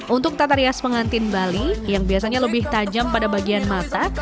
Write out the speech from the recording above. untuk tata rias pengantin bali yang biasanya lebih tajam pada bagian mata